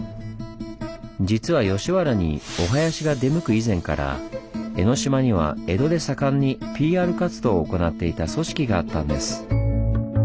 実は吉原にお囃子が出向く以前から江の島には江戸で盛んにＰＲ活動を行っていた組織があったんです。